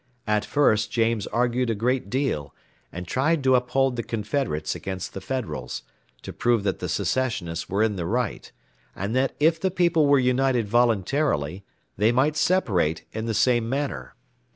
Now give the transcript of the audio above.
At first James argued a great deal, and tried to uphold the Confederates against the Federals, to prove that the Secessionists were in the right, and that if the people were united voluntarily they might separate in the same manner.